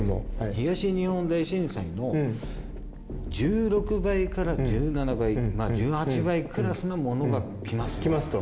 東日本大震災の１６倍から１７倍１８倍クラスのものがきますと。